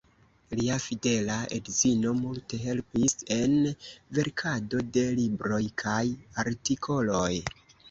Lia fidela edzino multe helpis en verkado de libroj kaj artikoloj.